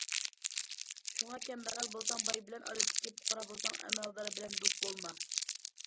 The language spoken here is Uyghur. شۇڭا كەمبەغەل بولساڭ باي بىلەن، ئادەتتىكى پۇقرا بولساڭ ئەمەلدار بىلەن دوست بولما.